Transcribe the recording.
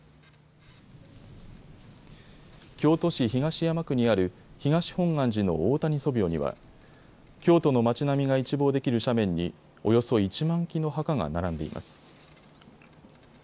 京都市東山区にある東本願寺の大谷祖廟には京都の町並みが一望できる斜面におよそ１万基の墓が並んでいます。